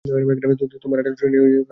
তোমার আঠালো শরীর নিয়ে কাছে আসবে না!